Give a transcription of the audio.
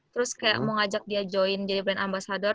terus kayak mau ngajak dia join jadi brand ambasador